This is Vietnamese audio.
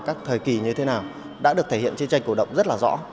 các thời kỳ như thế nào đã được thể hiện trên tranh cổ động rất là rõ